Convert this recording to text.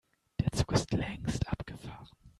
Der Zug ist längst abgefahren.